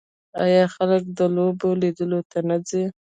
آیا خلک د لوبو لیدلو ته نه ځي؟